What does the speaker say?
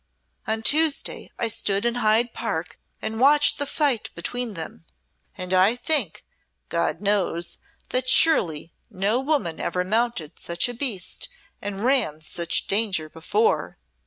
On Tuesday I stood in Hyde Park and watched the fight between them, and I think, God knows! that surely no woman ever mounted such a beast and ran such danger before.